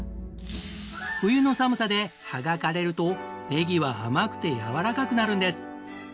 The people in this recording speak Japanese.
冬の寒さで葉が枯れるとねぎは甘くてやわらかくなるんです。